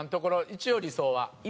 一応理想は。